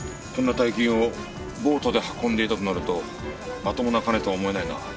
こんな大金をボートで運んでいたとなるとまともな金とは思えないな。